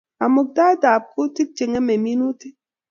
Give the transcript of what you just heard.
Kamuktaet ab kutik Che ng'emei minutik